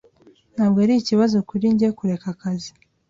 Ntabwo ari ikibazo kuri njye kureka akazi.